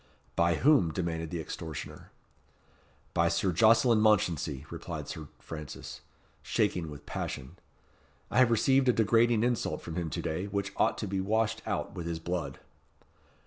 "By whom?" demanded the extortioner. "By Sir Jocelyn Mounchensey," replied Sir Francis, shaking with passion. "I have received a degrading insult from him to day, which ought to be washed out with his blood."